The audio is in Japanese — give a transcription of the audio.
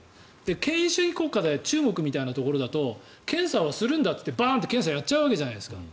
権威主義国家で中国みたいなところだと検査をするんだと言ってバーンと検査をやっちゃうわけじゃないですか。